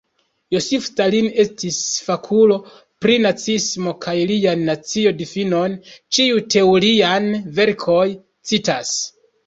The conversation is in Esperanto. Josif Stalin estis fakulo pri naciismo kaj lian nacio-difinon ĉiuj teoriaj verkoj citas.